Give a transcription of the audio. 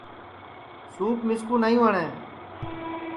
سُوپ مِسکُو نائیں وٹؔیں